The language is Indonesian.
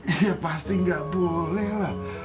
iya iya pasti nggak boleh lah